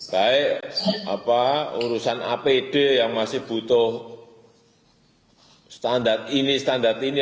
baik urusan apd yang masih butuh standar ini standar ini